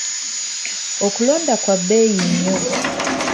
Okulonda kwa bbeeyi nnyo.